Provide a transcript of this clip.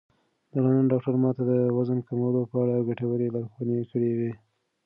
د لندن ډاکتر ما ته د وزن کمولو په اړه ګټورې لارښوونې کړې وې.